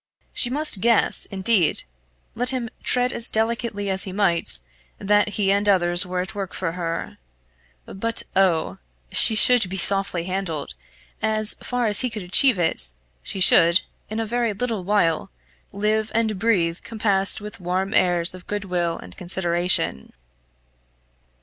She must guess, indeed, let him tread as delicately as he might, that he and others were at work for her. But oh! she should be softly handled; as far as he could achieve it, she should, in a very little while, live and breathe compassed with warm airs of good will and consideration.